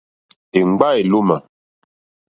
Éŋɡbá èlómà.